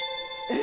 え！